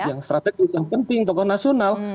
yang strategis yang penting tokoh nasional